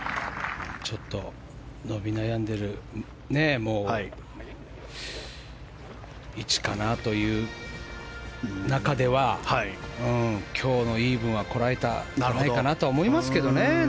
ちょっと伸び悩んでる位置かなという中では今日のイーブンはこらえたんじゃないかなと思いますけどね。